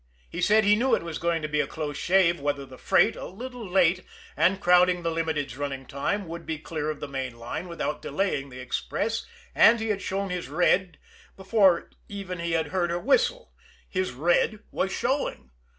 He said he knew it was going to be a close shave whether the freight, a little late and crowding the Limited's running time, would be clear of the main line without delaying the express, and he had shown his red before ever he had heard her whistle his red was showing.